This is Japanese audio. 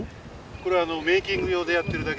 これはメーキング用でやってるだけでですね